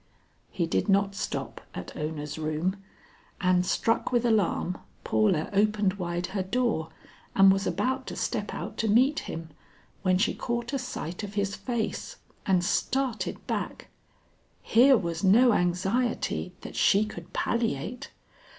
He did not stop at Ona's room; and struck with alarm, Paula opened wide her door and was about to step out to meet him, when she caught a sight of his face, and started back. Here was no anxiety, that she could palliate!